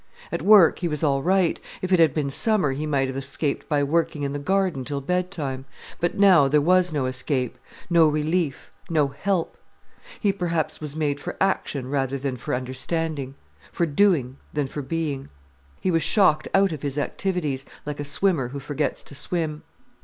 At work he was all right. If it had been summer he might have escaped by working in the garden till bedtime. But now, there was no escape, no relief, no help. He, perhaps, was made for action rather than for understanding; for doing than for being. He was shocked out of his activities, like a swimmer who forgets to swim.